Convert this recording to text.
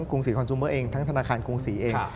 รุงศรีคอนจูเมอร์เองทั้งธนาคารกรุงศรีเอง